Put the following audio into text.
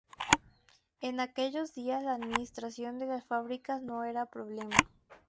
En aquellos días la administración de las fábricas no era problema.